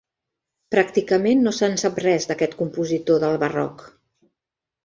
Pràcticament no se'n sap res d'aquest compositor del Barroc.